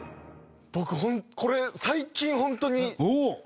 僕これ最近ホントに聞いて。